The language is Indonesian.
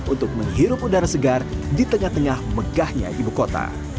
untuk menghirup udara segar di tengah tengah megahnya ibu kota